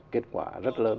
kết quả rất lớn